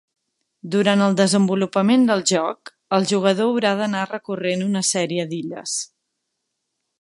Durant el desenvolupament del joc, el jugador haurà d'anar recorrent una sèrie d'illes.